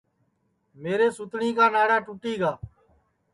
میرے سُتٹؔی کا ناڑا ٹُوٹی گا